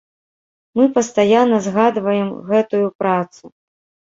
Мы пастаянна згадваем гэтую працу.